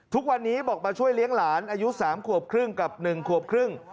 ทุกวันนี้บอกมาช่วยเลี้ยงหลานอายุ๓ขวบครึ่งกับ๑ขวบครึ่ง